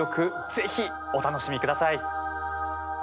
ぜひお楽しみくだい。